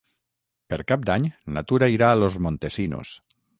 Per Cap d'Any na Tura irà a Los Montesinos.